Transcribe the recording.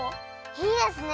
いいですね！